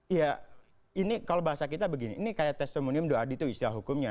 ya ini kalau bahasa kita begini ini kayak testimonium doa itu istilah hukumnya